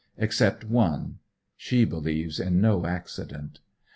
Except one: she believes in no accident.